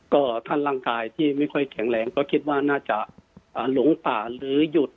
ก็ถ้าร่างกายที่ไม่ค่อยแข็งแรงก็คิดว่าน่าจะหลงป่าหรือหยุด